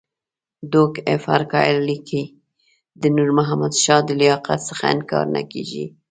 ډوک اف ارګایل لیکي د نور محمد شاه د لیاقت څخه انکار نه کېږي.